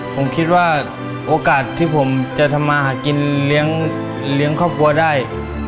ผมคิดว่าโอกาสที่ผมจะทำมาหากินเลี้ยงครอบครัวได้